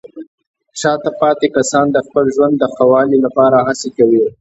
شاته پاتې کسان د خپل ژوند د ښه والي لپاره هڅې کوي.